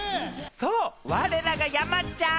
そう、われらが山ちゃん。